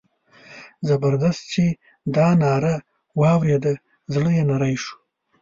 زبردست چې دا ناره واورېده زړه یې نری شو.